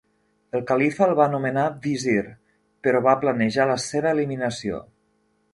El califa el va nomenar visir, però va planejar la seva eliminació.